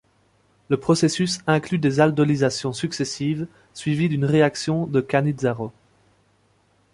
Le processus inclut des aldolisations successives suivie d'une réaction de Cannizzaro.